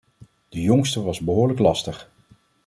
De jongste was behoorlijk lastig.